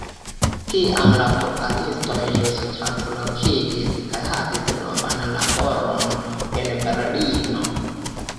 Tiam la programistoj ĵus translokiĝis kaj havis novan laboron en Berlino.